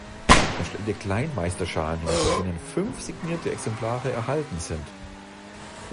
Er stellte Kleinmeister-Schalen her, von denen fünf signierte Exemplare erhalten sind.